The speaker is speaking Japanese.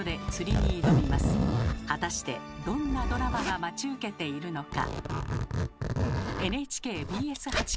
果たしてどんなドラマが待ち受けているのか。